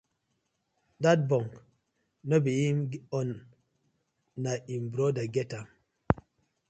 Dat bunk no be im own, na im brother get am.